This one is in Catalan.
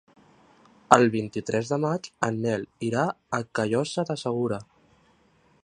El vint-i-tres de maig en Nel irà a Callosa de Segura.